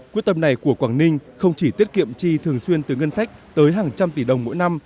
quyết tâm này của quảng ninh không chỉ tiết kiệm chi thường xuyên từ ngân sách tới hàng trăm tỷ đồng mỗi năm